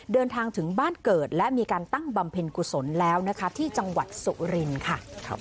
เดินทางถึงบ้านเกิดและมีการตั้งบำเพ็ญกุศลแล้วนะคะที่จังหวัดสุรินทร์ค่ะ